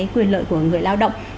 quyền lợi của người lao động